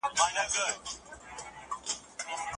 د جرګي غړو به د هیواد د ابادۍ لپاره رښتيني مشوري ورکولي.